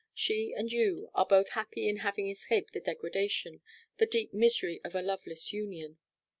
She and you are both happy in having escaped the degradation, the deep misery of a loveless union.